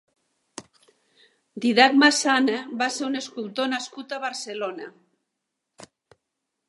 Dídac Massana va ser un escultor nascut a Barcelona.